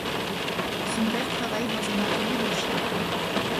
Son père travaille dans un atelier de chars.